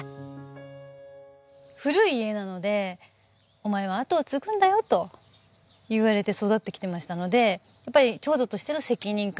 古い家なので「お前は跡を継ぐんだよ」と言われて育ってきてましたのでやっぱり長女としての責任感。